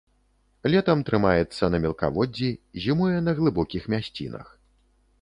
Летам трымаецца на мелкаводдзі, зімуе на глыбокіх мясцінах.